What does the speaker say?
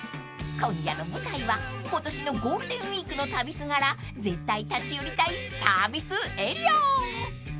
［今夜の舞台は今年のゴールデンウイークの旅すがら絶対立ち寄りたいサービスエリア］